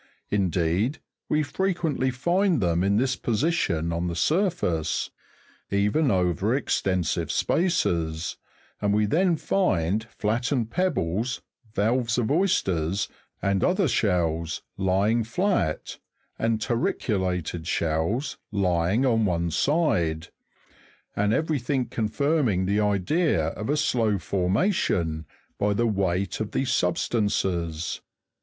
Indeed, we frequently find them in this position on the surface, even over extensive spaces, and we then find flattened pebbles, valves of oysters, and othershells, lying flat, and turrieulated shells lying on one side ; and everything eon firming the idea of a slow formation, by the weight of these sub stances.